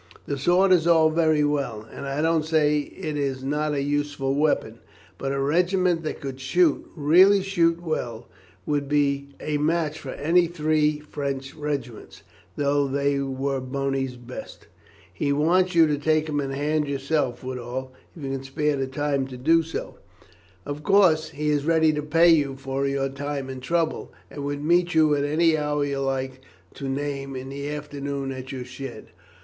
The sword is all very well, and I don't say it is not a useful weapon, but a regiment that could shoot really shoot well would be a match for any three French regiments, though they were Boney's best."' "He wants you take him in hand yourself, Woodall, if you can spare the time to do so; of course, he is ready to pay you for your time and trouble, and would meet you at any hour you like to name in the afternoon at your shed."